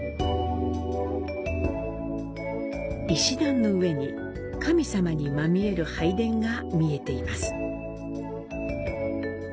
石段の上に、神様にまみえる拝殿が見えています。